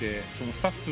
スタッフ。